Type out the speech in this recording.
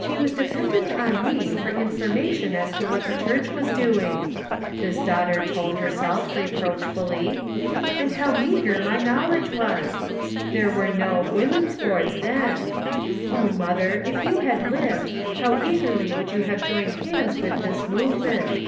197 was dependant on me for information as to what the Church was doing," this daughter told herself, reproachfully; "and how meager my knowledge was ! There were no " Woman's Boards " then. Oh, mother, if you had lived, how eagerly would you have joined hands with this movement